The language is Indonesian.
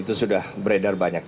itu sudah beredar banyak